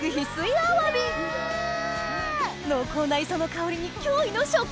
あわび濃厚な磯の香りに驚異の食感！